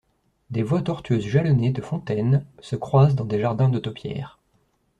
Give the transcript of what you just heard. Des voies tortueuses jalonnées de fontaines se croisent dans des jardins de topiaire.